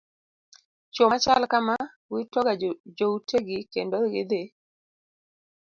Chuo machal kamaa wito ga joutegi kendo gidhi